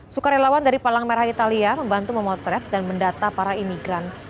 sukarelawan dari palang merah italia membantu memotret dan mendata para imigran